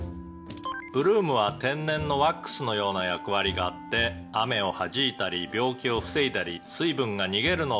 「ブルームは天然のワックスのような役割があって雨をはじいたり病気を防いだり水分が逃げるのを防いだりして果実を守っているので